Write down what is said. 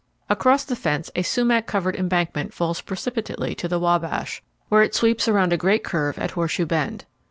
Across the fence a sumac covered embankment falls precipitately to the Wabash, where it sweeps around a great curve at Horseshoe Bend.